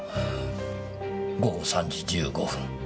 午後３時１５分。